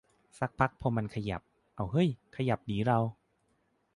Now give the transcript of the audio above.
สักพักพอมันขยับ อ้าวเฮ้ยขยับหนีเรา